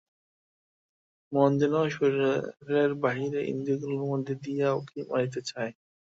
মন যেন শরীরের বাহিরে ইন্দ্রিয়গুলির মধ্য দিয়া উঁকি মারিতে চায়।